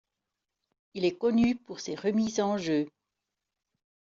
Il est connu pour ses remises en jeu.